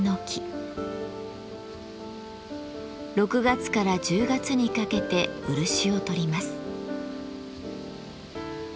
６月から１０月にかけて漆をとります。